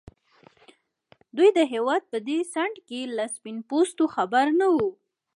دوی د هېواد په دې څنډه کې له سپين پوستو خبر نه وو.